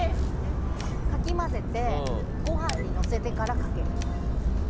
かき混ぜてご飯にのせてから、かける。